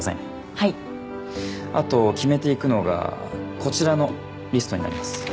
はいあと決めていくのがこちらのリストになります